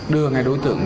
đưa ngay đối tượng